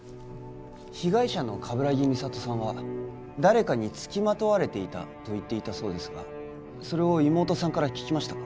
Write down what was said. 被害者の鏑木美里さんは誰かに付きまとわれていたと言っていたそうですがそれを妹さんから聞きましたか？